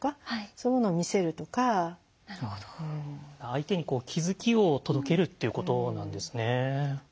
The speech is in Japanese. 相手に気付きを届けるっていうことなんですね。